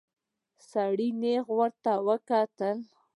سړي نيغ ورته وکتل.